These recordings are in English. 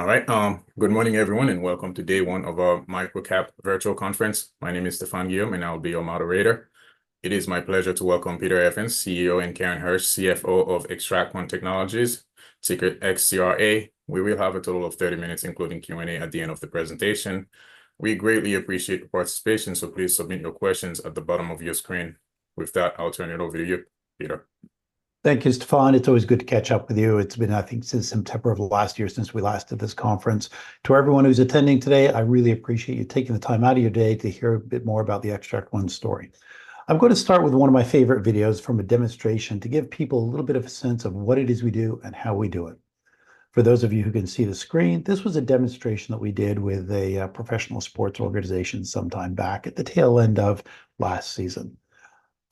All right, good morning, everyone, and welcome to day one of our MicroCap Virtual Conference. My name is Stefan Guillaume, and I'll be your moderator. It is my pleasure to welcome Peter Evans, CEO, and Karen Hersh, CFO of Xtract One Technologies, ticker XTRA. We will have a total of 30 minutes, including Q&A, at the end of the presentation. We greatly appreciate the participation, so please submit your questions at the bottom of your screen. With that, I'll turn it over to you, Peter. Thank you, Stefan. It's always good to catch up with you. It's been, I think, since September of last year since we last did this conference. To everyone who's attending today, I really appreciate you taking the time out of your day to hear a bit more about the Xtract One story. I'm gonna start with one of my favorite videos from a demonstration to give people a little bit of a sense of what it is we do and how we do it. For those of you who can see the screen, this was a demonstration that we did with a professional sports organization sometime back at the tail end of last season.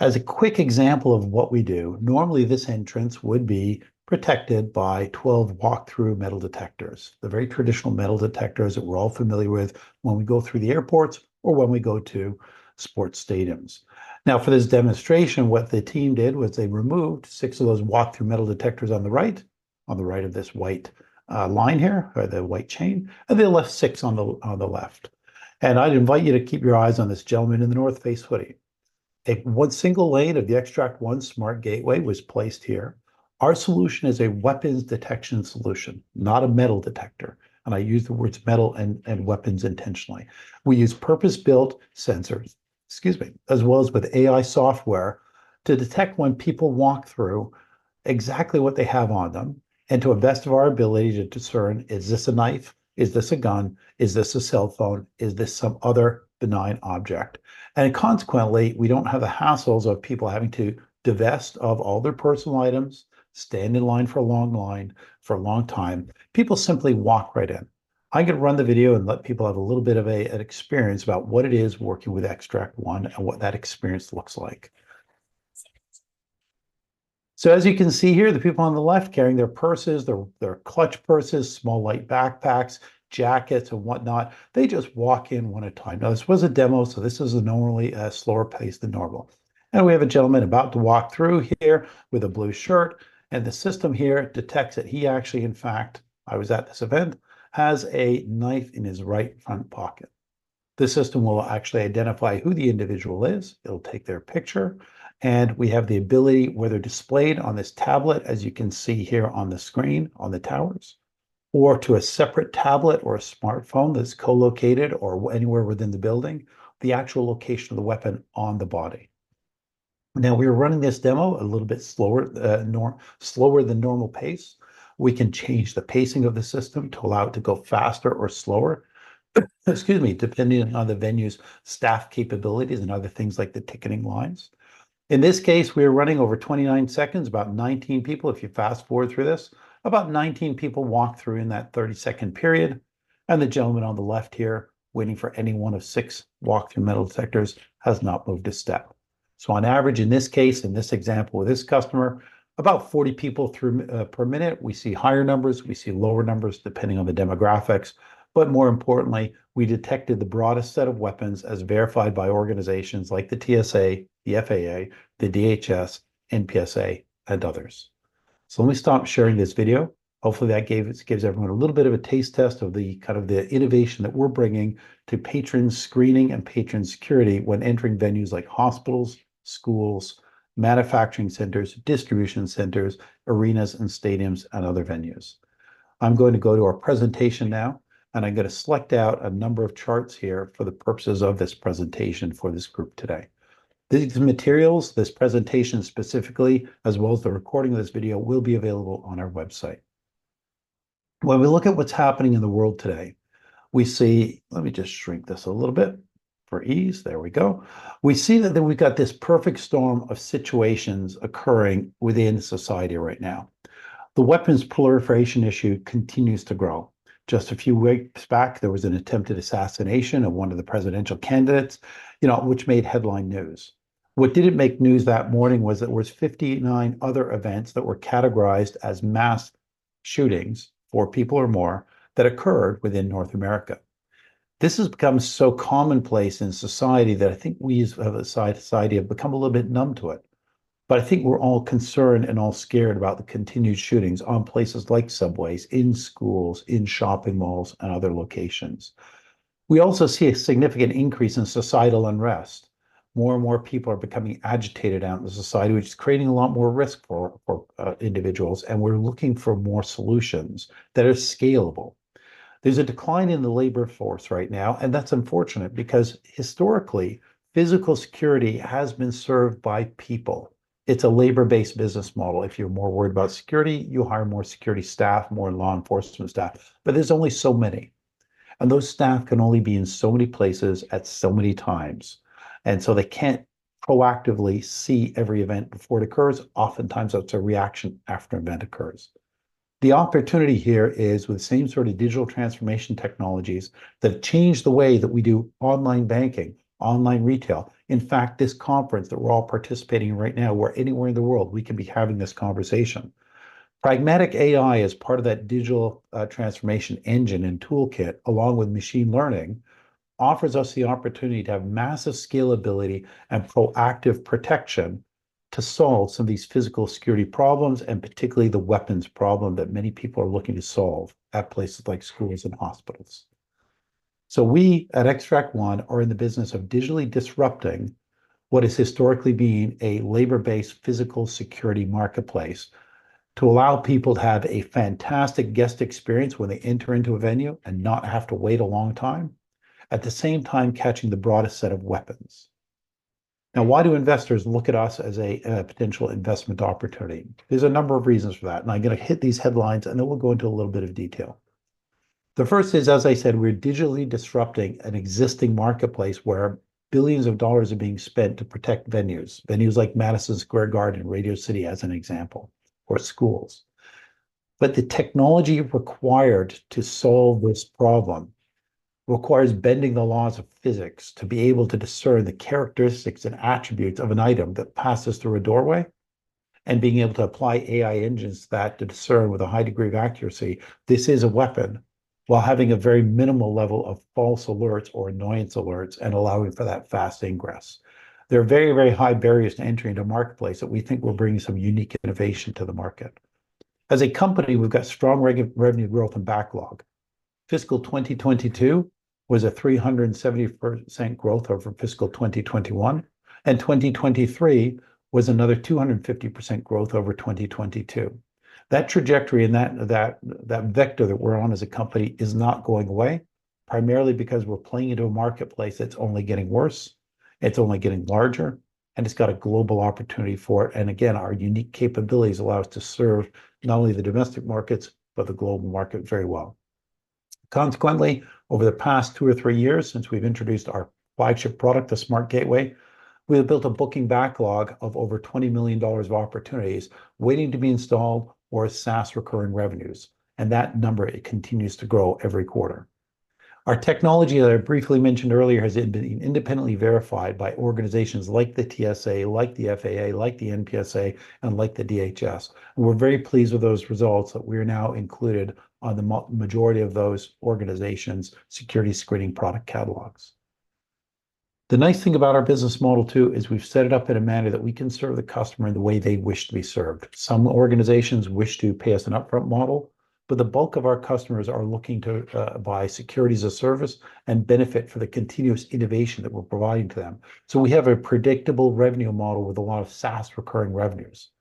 As a quick example of what we do, normally, this entrance would be protected by 12 walk-through metal detectors, the very traditional metal detectors that we're all familiar with when we go through the airports or when we go to sports stadiums. Now, for this demonstration, what the team did was they removed six of those walk-through metal detectors on the right of this white line here, or the white chain, and they left six on the left. And I'd invite you to keep your eyes on this gentleman in the North Face hoodie. A single lane of the Xtract One SmartGateway was placed here. Our solution is a weapons detection solution, not a metal detector, and I use the words metal and weapons intentionally. We use purpose-built sensors, excuse me, as well as with AI software to detect when people walk through, exactly what they have on them, and to the best of our ability to discern, is this a knife? Is this a gun? Is this a cell phone? Is this some other benign object? And consequently, we don't have the hassles of people having to divest of all their personal items, stand in line for a long line for a long time. People simply walk right in. I'm gonna run the video and let people have a little bit of a, an experience about what it is working with Xtract One and what that experience looks like. So as you can see here, the people on the left carrying their purses, their, their clutch purses, small, light backpacks, jackets, and whatnot, they just walk in one at a time. Now, this was a demo, so this is normally a slower pace than normal. And we have a gentleman about to walk through here with a blue shirt, and the system here detects that he actually, in fact, I was at this event, has a knife in his right front pocket. This system will actually identify who the individual is. It'll take their picture, and we have the ability, whether displayed on this tablet, as you can see here on the screen, on the towers, or to a separate tablet or a smartphone that's co-located or anywhere within the building, the actual location of the weapon on the body. Now, we're running this demo a little bit slower than normal pace. We can change the pacing of the system to allow it to go faster or slower, excuse me, depending on the venue's staff capabilities and other things like the ticketing lines. In this case, we're running over 29 seconds. About 19 people, if you fast-forward through this, about 19 people walk through in that 30-second period, and the gentleman on the left here, waiting for any one of 6 walk-through metal detectors, has not moved a step. So on average, in this case, in this example with this customer, about 40 people through per minute. We see higher numbers, we see lower numbers, depending on the demographics. But more importantly, we detected the broadest set of weapons as verified by organizations like the TSA, the FAA, the DHS, NPSA, and others. So let me stop sharing this video. Hopefully, that gives everyone a little bit of a taste test of the kind of the innovation that we're bringing to patron screening and patron security when entering venues like hospitals, schools, manufacturing centers, distribution centers, arenas and stadiums, and other venues. I'm going to go to our presentation now, and I'm gonna select out a number of charts here for the purposes of this presentation for this group today. These materials, this presentation specifically, as well as the recording of this video, will be available on our website. When we look at what's happening in the world today, we see... Let me just shrink this a little bit for ease. There we go. We see that then we've got this perfect storm of situations occurring within society right now. The weapons proliferation issue continues to grow. Just a few weeks back, there was an attempted assassination of one of the presidential candidates, you know, which made headline news. What didn't make news that morning was there was 59 other events that were categorized as mass shootings, four people or more, that occurred within North America. This has become so commonplace in society that I think we as a society have become a little bit numb to it. But I think we're all concerned and all scared about the continued shootings on places like subways, in schools, in shopping malls, and other locations. We also see a significant increase in societal unrest. More and more people are becoming agitated out in the society, which is creating a lot more risk for individuals, and we're looking for more solutions that are scalable. There's a decline in the labor force right now, and that's unfortunate because historically, physical security has been served by people. It's a labor-based business model. If you're more worried about security, you hire more security staff, more law enforcement staff, but there's only so many, and those staff can only be in so many places at so many times, and so they can't proactively see every event before it occurs. Oftentimes, it's a reaction after an event occurs. The opportunity here is, with the same sort of digital transformation technologies that have changed the way that we do online banking, online retail. In fact, this conference that we're all participating in right now, we're anywhere in the world, we can be having this conversation. Pragmatic AI is part of that digital transformation engine and toolkit, along with machine learning, offers us the opportunity to have massive scalability and proactive protection to solve some of these physical security problems, and particularly the weapons problem that many people are looking to solve at places like schools and hospitals. So we at Xtract One are in the business of digitally disrupting what has historically been a labor-based physical security marketplace, to allow people to have a fantastic guest experience when they enter into a venue and not have to wait a long time, at the same time, catching the broadest set of weapons. Now, why do investors look at us as a potential investment opportunity? There's a number of reasons for that, and I'm gonna hit these headlines, and then we'll go into a little bit of detail. The first is, as I said, we're digitally disrupting an existing marketplace, where billions of dollars are being spent to protect venues, venues like Madison Square Garden, Radio City, as an example, or schools. But the technology required to solve this problem requires bending the laws of physics to be able to discern the characteristics and attributes of an item that passes through a doorway, and being able to apply AI engines to that to discern with a high degree of accuracy, this is a weapon, while having a very minimal level of false alerts or annoyance alerts and allowing for that fast ingress. There are very, very high barriers to entry into the marketplace that we think will bring some unique innovation to the market. As a company, we've got strong revenue growth and backlog. Fiscal 2022 was a 370% growth over Fiscal 2021, and 2023 was another 250% growth over 2022. That trajectory and that vector that we're on as a company is not going away, primarily because we're playing into a marketplace that's only getting worse, it's only getting larger, and it's got a global opportunity for it. And again, our unique capabilities allow us to serve not only the domestic markets, but the global market very well. Consequently, over the past two or three years, since we've introduced our flagship product, the SmartGateway, we have built a booking backlog of over $20 million of opportunities waiting to be installed or as SaaS recurring revenues, and that number continues to grow every quarter. Our technology that I briefly mentioned earlier has been independently verified by organizations like the TSA, like the FAA, like the NPSA, and like the DHS. We're very pleased with those results that we are now included on the majority of those organizations' security screening product catalogs. The nice thing about our business model, too, is we've set it up in a manner that we can serve the customer in the way they wish to be served. Some organizations wish to pay us an upfront model, but the bulk of our customers are looking to buy security as a service and benefit for the continuous innovation that we're providing to them. So we have a predictable revenue model with a lot of SaaS recurring revenues.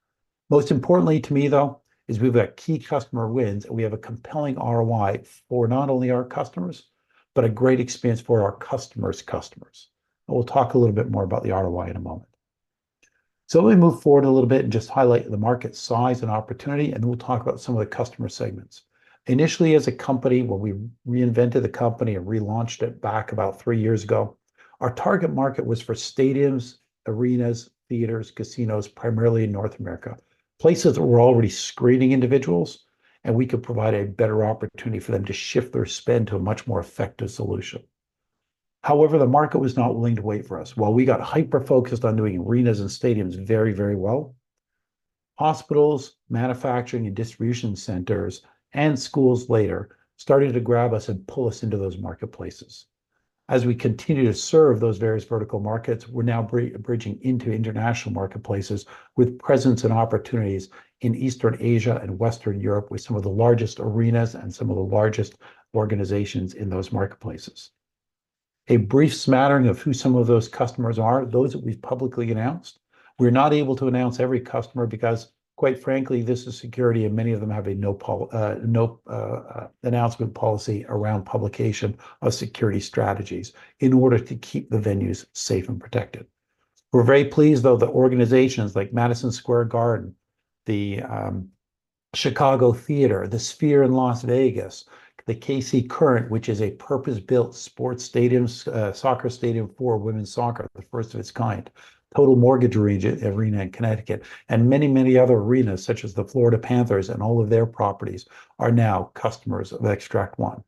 Most importantly to me, though, is we've got key customer wins, and we have a compelling ROI for not only our customers, but a great experience for our customers' customers. And we'll talk a little bit more about the ROI in a moment. So let me move forward a little bit and just highlight the market size and opportunity, and then we'll talk about some of the customer segments. Initially, as a company, when we reinvented the company and relaunched it back about three years ago, our target market was for stadiums, arenas, theaters, casinos, primarily in North America. Places that were already screening individuals, and we could provide a better opportunity for them to shift their spend to a much more effective solution. However, the market was not willing to wait for us. While we got hyper-focused on doing arenas and stadiums very, very well, hospitals, manufacturing, and distribution centers and schools later started to grab us and pull us into those marketplaces. As we continue to serve those various vertical markets, we're now bridging into international marketplaces, with presence and opportunities in Eastern Asia and Western Europe, with some of the largest arenas and some of the largest organizations in those marketplaces. A brief smattering of who some of those customers are, those that we've publicly announced. We're not able to announce every customer because, quite frankly, this is security, and many of them have a no announcement policy around publication of security strategies in order to keep the venues safe and protected. We're very pleased, though, that organizations like Madison Square Garden, the Chicago Theatre, The Sphere in Las Vegas, the KC Current, which is a purpose-built sports stadium, soccer stadium for women's soccer, the first of its kind, Total Mortgage Arena in Connecticut, and many, many other arenas, such as the Florida Panthers and all of their properties, are now customers of Xtract One.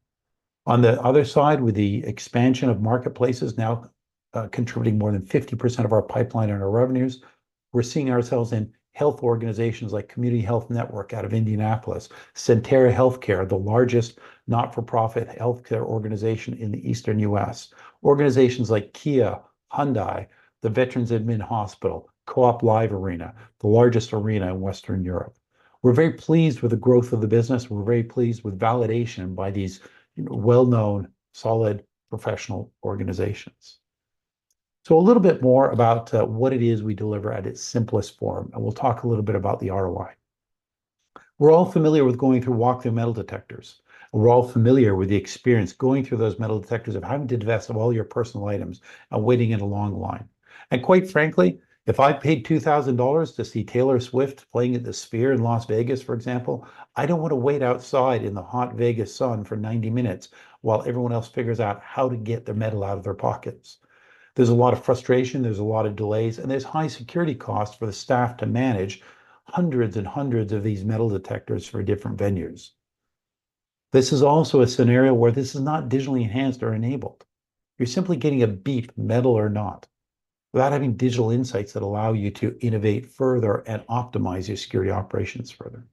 On the other side, with the expansion of marketplaces now contributing more than 50% of our pipeline and our revenues, we're seeing ourselves in health organizations like Community Health Network out of Indianapolis, Sentara Healthcare, the largest not-for-profit healthcare organization in the Eastern US. Organizations like Kia, Hyundai, the Veterans Admin Hospital, Co-op Live Arena, the largest arena in Western Europe. We're very pleased with the growth of the business. We're very pleased with validation by these well-known, solid, professional organizations. So a little bit more about what it is we deliver at its simplest form, and we'll talk a little bit about the ROI. We're all familiar with going through walk-through metal detectors. We're all familiar with the experience going through those metal detectors, of having to divest of all your personal items and waiting in a long line. And quite frankly, if I paid $2,000 to see Taylor Swift playing at The Sphere in Las Vegas, for example, I don't want to wait outside in the hot Vegas sun for 90 minutes while everyone else figures out how to get their metal out of their pockets. There's a lot of frustration, there's a lot of delays, and there's high security costs for the staff to manage hundreds and hundreds of these metal detectors for different venues. This is also a scenario where this is not digitally enhanced or enabled. You're simply getting a beep, metal or not, without having digital insights that allow you to innovate further and optimize your security operations further...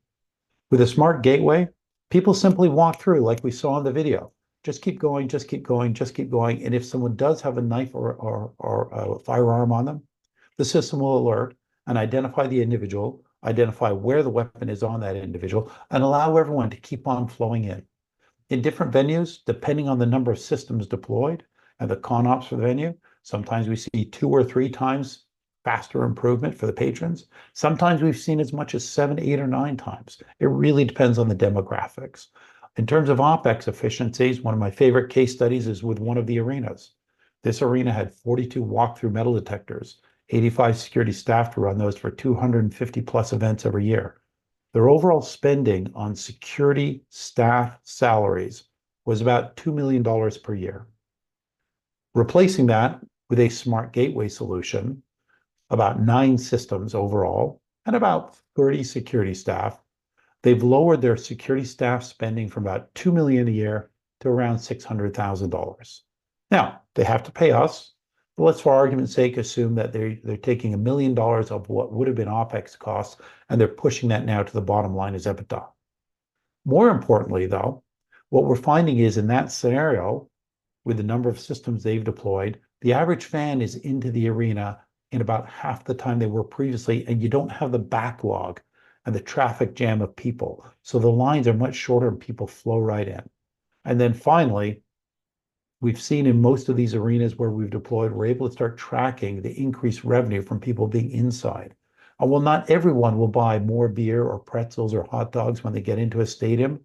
With a SmartGateway, people simply walk through, like we saw in the video. Just keep going, just keep going, just keep going, and if someone does have a knife or, or, or a firearm on them, the system will alert and identify the individual, identify where the weapon is on that individual, and allow everyone to keep on flowing in. In different venues, depending on the number of systems deployed and the ConOps for the venue, sometimes we see two or three times faster improvement for the patrons. Sometimes we've seen as much as seven, eight, or nine times. It really depends on the demographics. In terms of OpEx efficiencies, one of my favorite case studies is with one of the arenas. This arena had 42 walk-through metal detectors, 85 security staff to run those for 250+ events every year. Their overall spending on security staff salaries was about $2 million per year. Replacing that with a SmartGateway solution, about nine systems overall, and about 30 security staff, they've lowered their security staff spending from about $2 million a year to around $600,000. Now, they have to pay us, but let's, for argument's sake, assume that they're taking $1 million of what would've been OpEx costs, and they're pushing that now to the bottom line as EBITDA. More importantly, though, what we're finding is, in that scenario, with the number of systems they've deployed, the average fan is into the arena in about half the time they were previously, and you don't have the backlog and the traffic jam of people. So the lines are much shorter, and people flow right in. And then finally, we've seen in most of these arenas where we've deployed, we're able to start tracking the increased revenue from people being inside. And while not everyone will buy more beer or pretzels or hot dogs when they get into a stadium,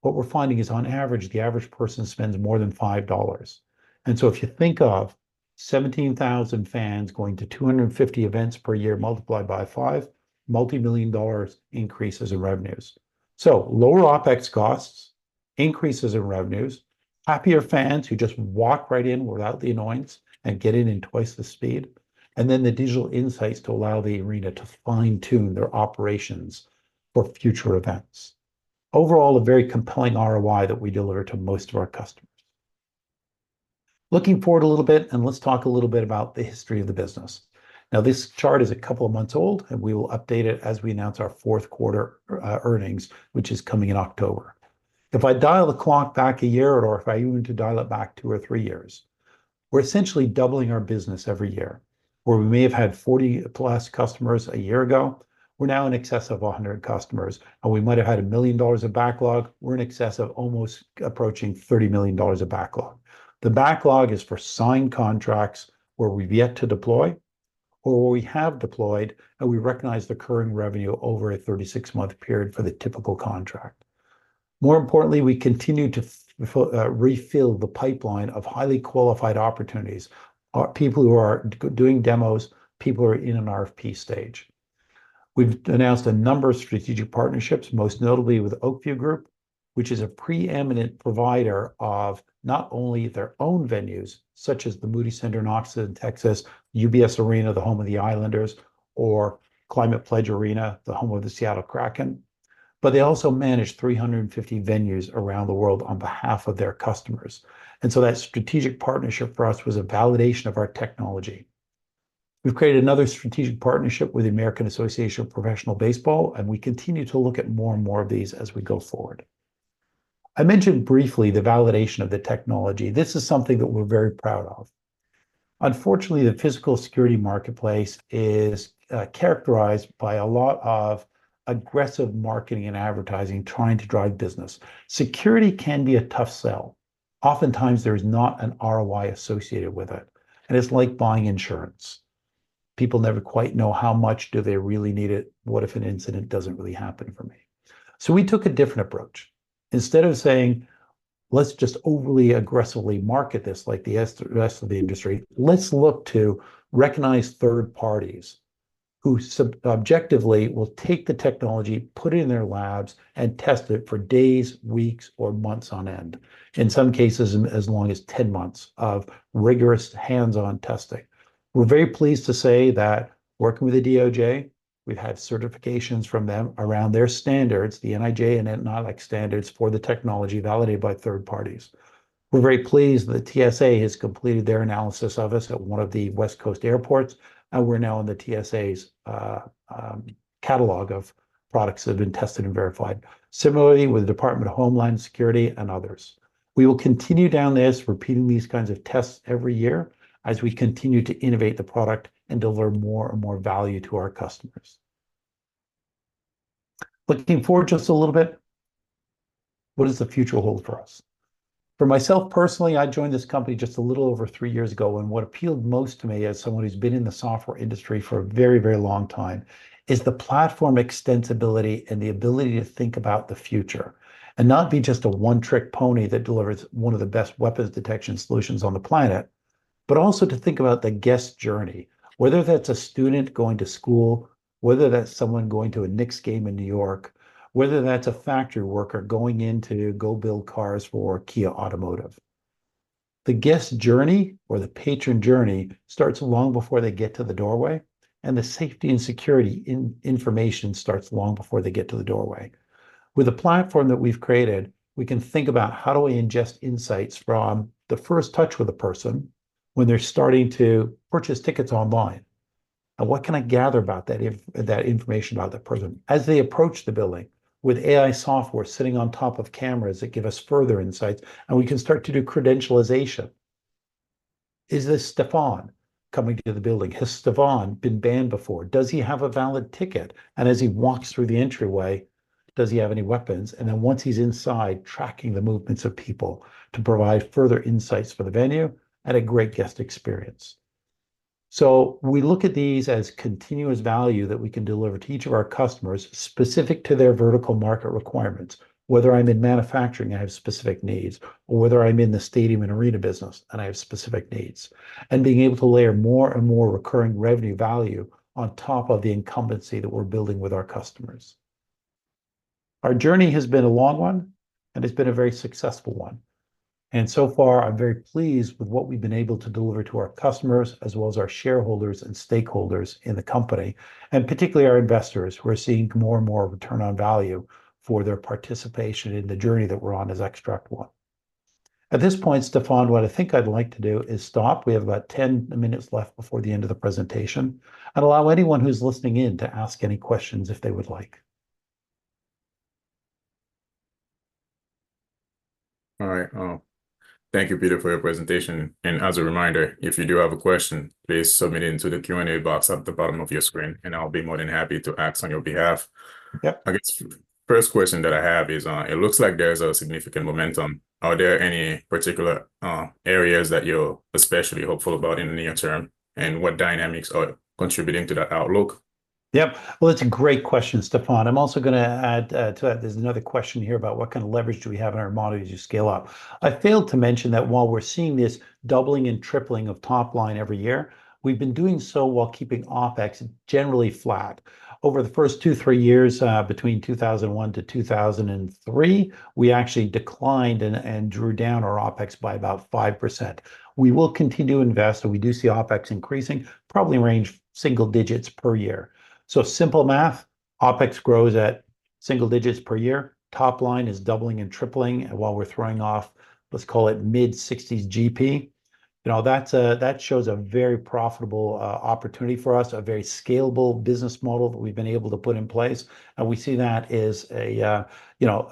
what we're finding is, on average, the average person spends more than $5. And so if you think of 17,000 fans going to 250 events per year, multiplied by 5, multimillion-dollar increases in revenues. So lower OpEx costs, increases in revenues, happier fans who just walk right in without the annoyance and get in in twice the speed, and then the digital insights to allow the arena to fine-tune their operations for future events. Overall, a very compelling ROI that we deliver to most of our customers. Looking forward a little bit, and let's talk a little bit about the history of the business. Now, this chart is a couple of months old, and we will update it as we announce our fourth quarter earnings, which is coming in October. If I dial the clock back a year, or if I even to dial it back two or three years, we're essentially doubling our business every year. Where we may have had 40+ customers a year ago, we're now in excess of 100 customers, and we might have had $1 million of backlog. We're in excess of almost approaching $30 million of backlog. The backlog is for signed contracts where we've yet to deploy or where we have deployed, and we recognize the current revenue over a 36-month period for the typical contract. More importantly, we continue to refill the pipeline of highly qualified opportunities. Our people who are doing demos, people who are in an RFP stage. We've announced a number of strategic partnerships, most notably with Oak View Group, which is a preeminent provider of not only their own venues, such as the Moody Center in Austin, Texas, UBS Arena, the home of the Islanders, or Climate Pledge Arena, the home of the Seattle Kraken, but they also manage 350 venues around the world on behalf of their customers. And so that strategic partnership for us was a validation of our technology. We've created another strategic partnership with the American Association of Professional Baseball, and we continue to look at more and more of these as we go forward. I mentioned briefly the validation of the technology. This is something that we're very proud of. Unfortunately, the physical security marketplace is, characterized by a lot of aggressive marketing and advertising, trying to drive business. Security can be a tough sell. Oftentimes, there's not an ROI associated with it, and it's like buying insurance. People never quite know how much do they really need it. What if an incident doesn't really happen for me? So we took a different approach. Instead of saying, "Let's just overly aggressively market this like the rest of the industry, let's look to recognize third parties who objectively will take the technology, put it in their labs, and test it for days, weeks, or months on end," in some cases, as long as 10 months of rigorous, hands-on testing. We're very pleased to say that working with the DOJ, we've had certifications from them around their standards, the NIJ and NPSA standards for the technology validated by third parties. We're very pleased that TSA has completed their analysis of us at one of the West Coast airports, and we're now in the TSA's catalog of products that have been tested and verified. Similarly, with the Department of Homeland Security and others, we will continue down this, repeating these kinds of tests every year as we continue to innovate the product and deliver more and more value to our customers. Looking forward just a little bit, what does the future hold for us? For myself, personally, I joined this company just a little over three years ago, and what appealed most to me, as someone who's been in the software industry for a very, very long time, is the platform extensibility and the ability to think about the future and not be just a one-trick pony that delivers one of the best weapons detection solutions on the planet, but also to think about the guest journey. Whether that's a student going to school, whether that's someone going to a Knicks game in New York, whether that's a factory worker going in to go build cars for Kia Automotive, the guest journey or the patron journey starts long before they get to the doorway, and the safety and security information starts long before they get to the doorway. With the platform that we've created, we can think about, how do we ingest insights from the first touch with a person when they're starting to purchase tickets online? And what can I gather about that if, that information about that person? As they approach the building, with AI software sitting on top of cameras that give us further insights, and we can start to do credentialization. Is this Stefan coming into the building? Has Stefan been banned before? Does he have a valid ticket? And as he walks through the entryway, does he have any weapons? And then once he's inside, tracking the movements of people to provide further insights for the venue and a great guest experience. So we look at these as continuous value that we can deliver to each of our customers, specific to their vertical market requirements. Whether I'm in manufacturing, I have specific needs, or whether I'm in the stadium and arena business, and I have specific needs. Being able to layer more and more recurring revenue value on top of the incumbency that we're building with our customers. Our journey has been a long one, and it's been a very successful one, and so far, I'm very pleased with what we've been able to deliver to our customers, as well as our shareholders and stakeholders in the company, and particularly our investors, who are seeing more and more return on value for their participation in the journey that we're on as Xtract One. At this point, Stefan, what I think I'd like to do is stop. We have about 10 minutes left before the end of the presentation, and allow anyone who's listening in to ask any questions if they would like. All right, thank you, Peter, for your presentation. As a reminder, if you do have a question, please submit it into the Q&A box at the bottom of your screen, and I'll be more than happy to ask on your behalf. Yep. I guess, first question that I have is, it looks like there's a significant momentum. Are there any particular, areas that you're especially hopeful about in the near term, and what dynamics are contributing to that outlook? Yep. Well, that's a great question, Stefan. I'm also gonna add to that, there's another question here about what kind of leverage do we have in our model as you scale up. I failed to mention that while we're seeing this doubling and tripling of top line every year, we've been doing so while keeping OpEx generally flat. Over the first two, three years, between 2001 to 2003, we actually declined and drew down our OpEx by about 5%. We will continue to invest, and we do see OpEx increasing, probably range single digits per year. So simple math, OpEx grows at single digits per year, top line is doubling and tripling, and while we're throwing off, let's call it mid-sixties GP. You know, that shows a very profitable opportunity for us, a very scalable business model that we've been able to put in place, and we see that as a, you know,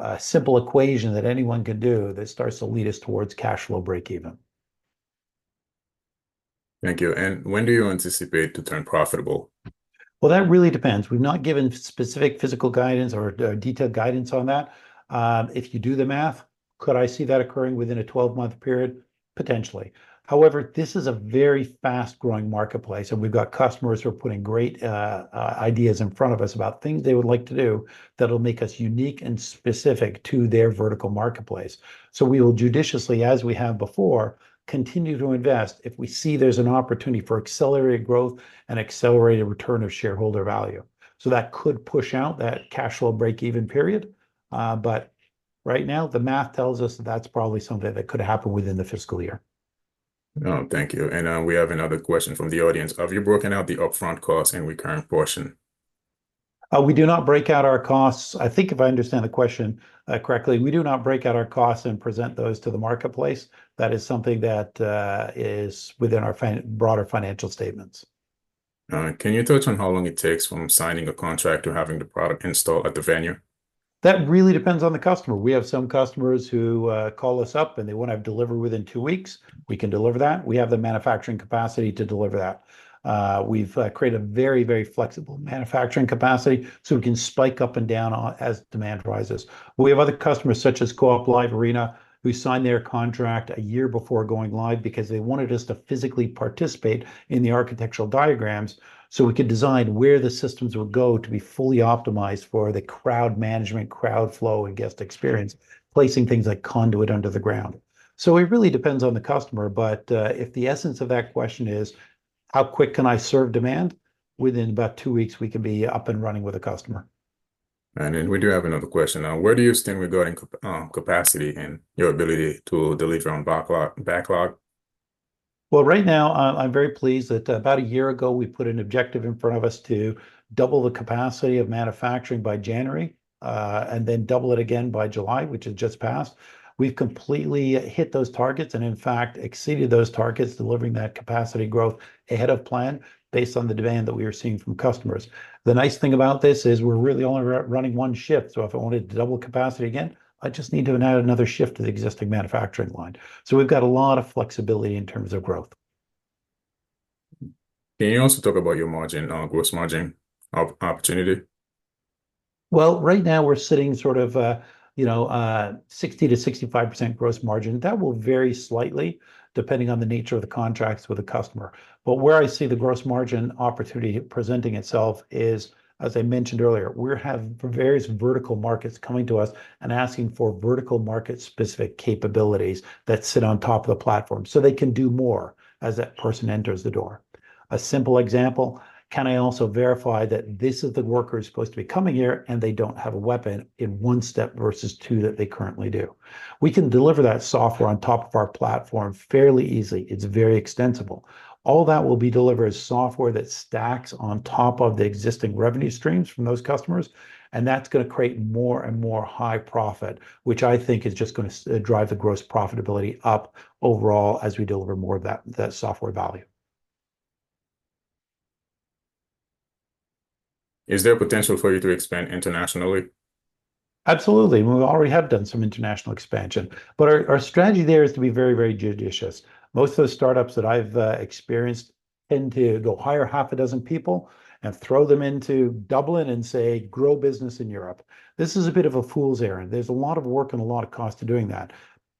a simple equation that anyone can do that starts to lead us towards cash flow break even. Thank you. When do you anticipate to turn profitable? Well, that really depends. We've not given specific physical guidance or, detailed guidance on that. If you do the math, could I see that occurring within a 12-month period? Potentially. However, this is a very fast-growing marketplace, and we've got customers who are putting great, ideas in front of us about things they would like to do that'll make us unique and specific to their vertical marketplace. So we will judiciously, as we have before, continue to invest if we see there's an opportunity for accelerated growth and accelerated return of shareholder value. So that could push out that cash flow break-even period, but right now, the math tells us that's probably something that could happen within the fiscal year. Oh, thank you, and we have another question from the audience. Have you broken out the upfront cost and recurring portion? We do not break out our costs. I think if I understand the question correctly, we do not break out our costs and present those to the marketplace. That is something that is within our broader financial statements. Can you touch on how long it takes from signing a contract to having the product installed at the venue? That really depends on the customer. We have some customers who call us up, and they wanna have delivery within two weeks. We can deliver that. We have the manufacturing capacity to deliver that. We've created a very, very flexible manufacturing capacity, so we can spike up and down on... as demand rises. We have other customers, such as Co-op Live Arena, who signed their contract a year before going live because they wanted us to physically participate in the architectural diagrams, so we could design where the systems would go to be fully optimized for the crowd management, crowd flow, and guest experience, placing things like conduit under the ground. So it really depends on the customer, but if the essence of that question is, "How quick can I serve demand?" Within about two weeks, we can be up and running with a customer. Then we do have another question. Where do you stand regarding capacity and your ability to deliver on backlog? Well, right now, I'm very pleased that about a year ago we put an objective in front of us to double the capacity of manufacturing by January, and then double it again by July, which has just passed. We've completely hit those targets and, in fact, exceeded those targets, delivering that capacity growth ahead of plan, based on the demand that we are seeing from customers. The nice thing about this is we're really only running one shift, so if I wanted to double capacity again, I just need to add another shift to the existing manufacturing line. So we've got a lot of flexibility in terms of growth. Can you also talk about your margin, gross margin opportunity? Well, right now we're sitting sort of, you know, 60%-65% gross margin. That will vary slightly, depending on the nature of the contracts with the customer. But where I see the gross margin opportunity presenting itself is, as I mentioned earlier, we're have various vertical markets coming to us and asking for vertical market-specific capabilities that sit on top of the platform, so they can do more as that person enters the door. A simple example, can I also verify that this is the worker who's supposed to be coming here, and they don't have a weapon in one step versus two that they currently do? We can deliver that software on top of our platform fairly easily. It's very extensible. All that will be delivered as software that stacks on top of the existing revenue streams from those customers, and that's gonna create more and more high profit, which I think is just gonna drive the gross profitability up overall, as we deliver more of that, that software value. Is there potential for you to expand internationally? Absolutely. We already have done some international expansion, but our, our strategy there is to be very, very judicious. Most of the startups that I've experienced tend to go hire half a dozen people and throw them into Dublin and say, "Grow business in Europe." This is a bit of a fool's errand. There's a lot of work and a lot of cost to doing that.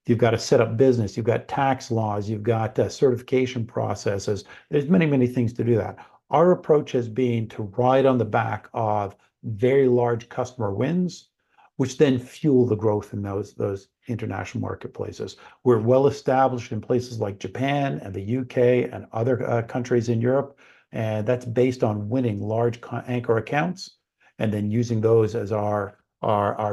You've gotta set up business, you've got tax laws, you've got certification processes. There's many, many things to do that. Our approach has been to ride on the back of very large customer wins, which then fuel the growth in those, those international marketplaces. We're well-established in places like Japan, and the U.K., and other countries in Europe, and that's based on winning large co-anchor accounts, and then using those as our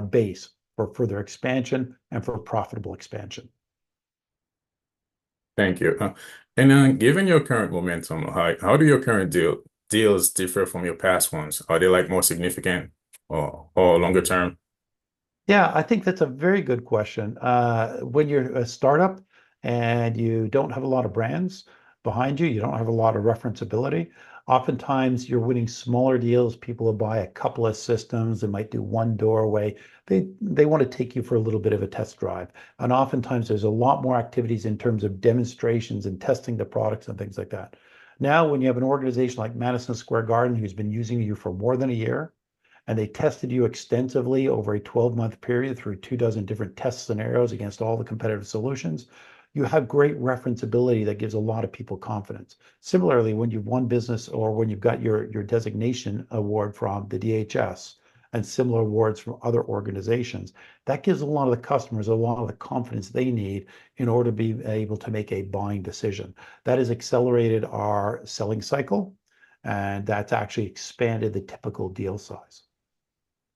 base for further expansion and for profitable expansion. Thank you. And, given your current momentum, how do your current deals differ from your past ones? Are they, like, more significant or longer term? Yeah, I think that's a very good question. When you're a startup and you don't have a lot of brands behind you, you don't have a lot of reference ability, oftentimes you're winning smaller deals. People will buy a couple of systems. They might do one doorway. They wanna take you for a little bit of a test drive, and oftentimes there's a lot more activities in terms of demonstrations and testing the products and things like that. Now, when you have an organization like Madison Square Garden, who's been using you for more than a year, and they tested you extensively over a 12-month period through 24 different test scenarios against all the competitive solutions, you have great reference ability that gives a lot of people confidence. Similarly, when you've won business or when you've got your designation award from the DHS, and similar awards from other organizations, that gives a lot of the customers a lot of the confidence they need in order to be able to make a buying decision. That has accelerated our selling cycle, and that's actually expanded the typical deal size.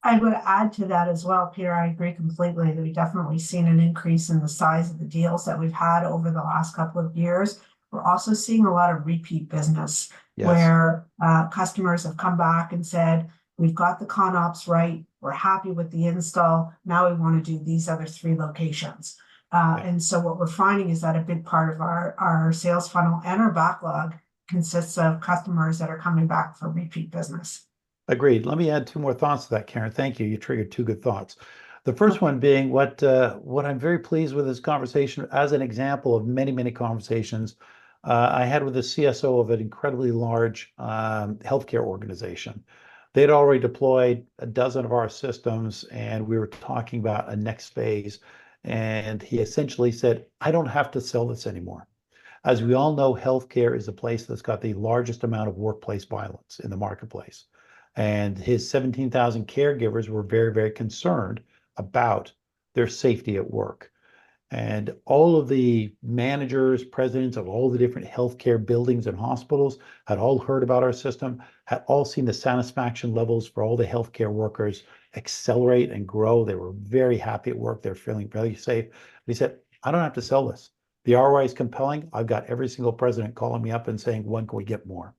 I would add to that as well, Peter. I agree completely that we've definitely seen an increase in the size of the deals that we've had over the last couple of years. We're also seeing a lot of repeat business- Yes Where, customers have come back and said, "We've got the ConOps right. We're happy with the install. Now we wanna do these other three locations." And so what we're finding is that a big part of our sales funnel and our backlog consists of customers that are coming back for repeat business. Agreed. Let me add two more thoughts to that, Karen. Thank you. You triggered two good thoughts. Sure. The first one being what I'm very pleased with this conversation, as an example of many, many conversations, I had with the CSO of an incredibly large, healthcare organization. They'd already deployed 12 of our systems, and we were talking about a next phase, and he essentially said, "I don't have to sell this anymore." As we all know, healthcare is a place that's got the largest amount of workplace violence in the marketplace, and his 17,000 caregivers were very, very concerned about their safety at work. All of the managers, presidents of all the different healthcare buildings and hospitals, had all heard about our system, had all seen the satisfaction levels for all the healthcare workers accelerate and grow. They were very happy at work. They're feeling very safe. They said, "I don't have to sell this. The ROI is compelling. I've got every single president calling me up and saying, "When can we get more?"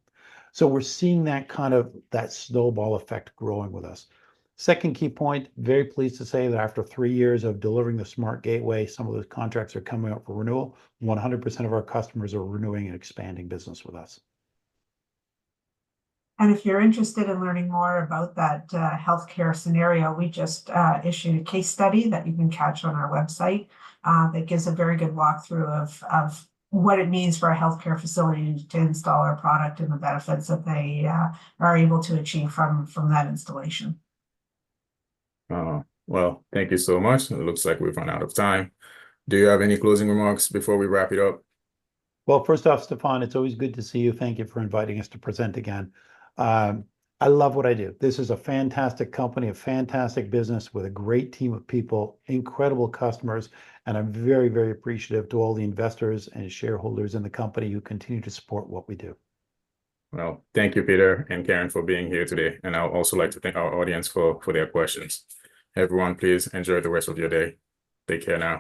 So we're seeing that, kind of, that snowball effect growing with us. Second key point, very pleased to say that after three years of delivering the SmartGateway, some of those contracts are coming up for renewal. 100% of our customers are renewing and expanding business with us. If you're interested in learning more about that healthcare scenario, we just issued a case study that you can catch on our website. That gives a very good walkthrough of what it means for a healthcare facility to install our product and the benefits that they are able to achieve from that installation. Oh, well, thank you so much, and it looks like we've run out of time. Do you have any closing remarks before we wrap it up? Well, first off, Stefan, it's always good to see you. Thank you for inviting us to present again. I love what I do. This is a fantastic company, a fantastic business with a great team of people, incredible customers, and I'm very, very appreciative to all the investors and shareholders in the company who continue to support what we do. Well, thank you, Peter and Karen, for being here today, and I'd also like to thank our audience for their questions. Everyone, please enjoy the rest of your day. Take care now.